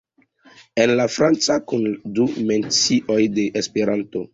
En la franca kun du mencioj de Esperanto.